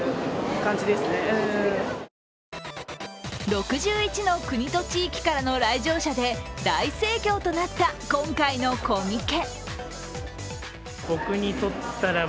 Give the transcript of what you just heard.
６１の国と地域からの来場者で大盛況となった今回のコミケ。